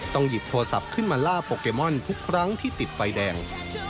หยิบโทรศัพท์ขึ้นมาล่าโปเกมอนทุกครั้งที่ติดไฟแดง